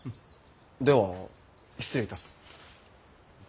では失礼いたす。